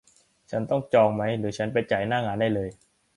ฉันต้องจองไหม หรือ ฉันไปจ่ายหน้างานเลย